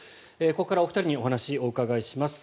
ここからお二人にお話をお伺いします。